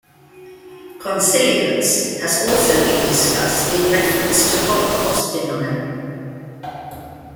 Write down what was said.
Consilience has also been discussed in reference to Holocaust denial.